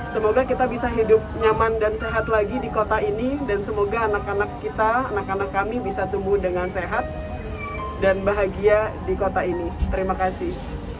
semoga kita bisa hidup nyaman dan sehat lagi di kota ini dan semoga anak anak kita anak anak kami bisa tumbuh dengan sehat dan bahagia di kota ini terima kasih